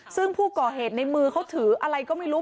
ซึ่งผู้ก่อเหตุในมือเขาถืออะไรก็ไม่รู้